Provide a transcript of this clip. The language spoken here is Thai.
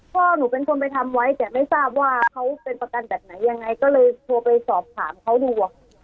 พ่อหนูเป็นคนไปทำไว้แต่ไม่ทราบว่าเขาเป็นประกันแบบไหนยังไงก็เลยโทรไปสอบถามเขาดู